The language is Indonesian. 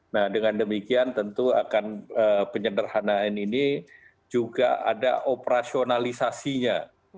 nah dengan demikian tentu akan penyederhanaan ini juga ada operasionalisasinya